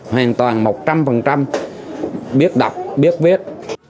hoàn toàn một trăm linh biết đọc biết viết